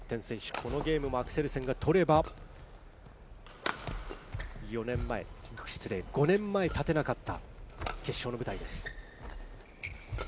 このゲームもアクセルセンが取れば、５年前立てなかった決勝の舞台です。